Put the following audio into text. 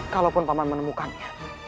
kalaupun paman menemukannya